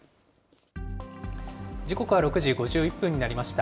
時刻は６時５１分になりました。